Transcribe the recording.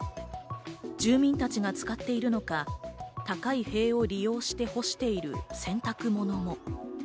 住民たちが使っているのが、高い塀を利用して干している洗濯物。